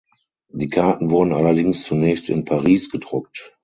Die Karten wurden allerdings zunächst in Paris gedruckt.